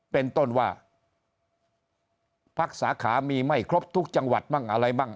เป็นต้นว่าพักสาขามีไม่ครบทุกจังหวัดบ้างอะไรบ้าง